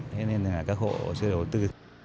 thế nên là các hộ chưa đổi tư